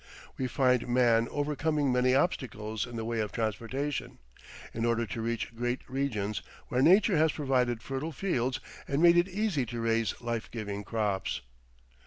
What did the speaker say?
We find man overcoming many obstacles in the way of transportation, in order to reach great regions where nature has provided fertile fields and made it easy to raise life giving crops.